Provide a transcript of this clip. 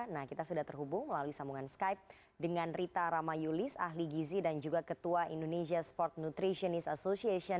nah kita sudah terhubung melalui sambungan skype dengan rita ramayulis ahli gizi dan juga ketua indonesia sport nutritionist association